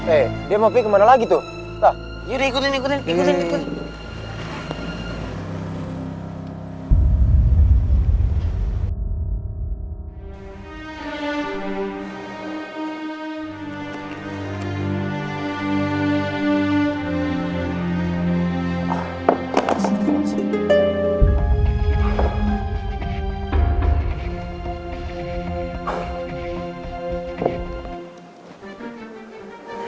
eh dia mau pergi kemana lagi tuh yudha ikutin ikutin ikutin